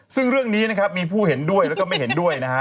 ซึ่งเรื่องนี้นะครับมีผู้เห็นด้วยแล้วก็ไม่เห็นด้วยนะฮะ